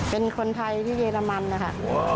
เป็นคนไทยที่เยอรมันนะคะ